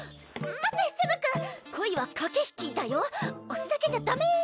待ってセブ君恋は駆け引きだよ押すだけじゃダメ